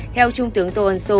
theo trung tướng tô ân xô